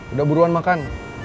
udah buruan makan